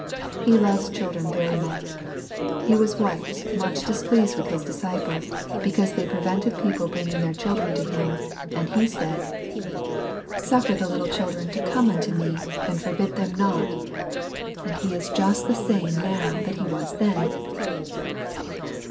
He loves children very much. He was once much displeased with His disciples, because they /prevented people bringing their children to Him, and He said, "Sufei l\vfc\iW^^OtSv.^afc\!L SEEKING THE LORD EARLY. 1 25 to come unto Me, and forbid them not." And He is just the same now that He was then.